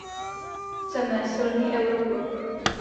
Chceme silný Europol.